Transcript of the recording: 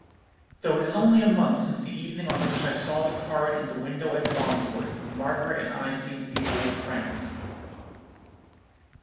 "Though it is only a month since the evening on which I saw the card in the window at Wandsworth, Margaret and I seem to be old friends.